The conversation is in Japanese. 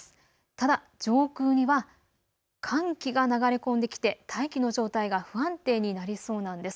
ただ上空には寒気が流れ込んできて大気の状態が不安定になりそうなんです。